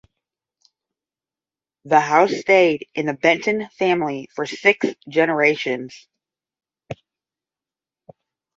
The house stayed in the Benton family for six generations.